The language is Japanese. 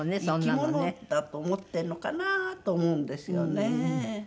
生き物だと思ってるのかなと思うんですよね。